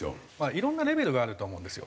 いろんなレベルがあると思うんですよ。